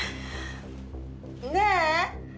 ねえ！